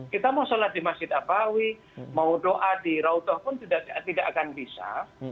kita mau sholat di masjid nabawi mau doa di raudah pun tidak akan bisa